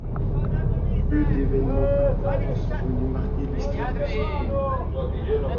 Peu d'événements importants sont venus marquer l'histoire de cette commune.